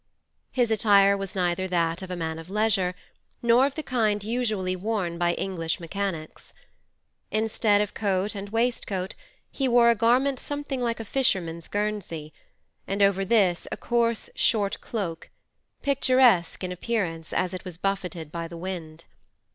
His attire was neither that of a man of leisure, nor of the kind usually worn by English mechanics. Instead of coat and waistcoat, he wore a garment something like a fisherman's guernsey, and over this a coarse short cloak, picturesque in appearance as it was buffeted by the wind.